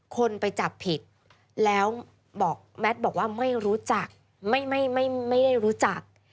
คนไปจับผิดแล้วบอกแมทบอกว่าไม่รู้จักไม่ได้รู้จัก